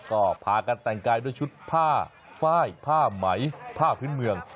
ก็พากันแต่งกายด้วยชุดผ้าไฟล์ผ้าไหมผ้าพื้นเมือง